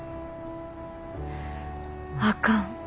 あかん